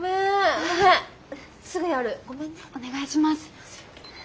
お願いします。